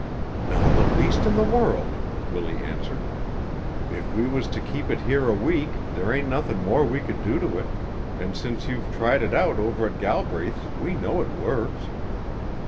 "Not the least in the world," Willie answered. "If we was to keep it here a week there ain't nothin' more we could do to it, an' since you've tried it out over at Galbraith's we know it works."